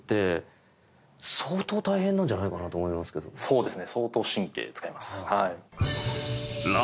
そうですね。